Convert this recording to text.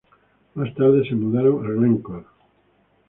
Más tarde se mudaron a Glen Corr.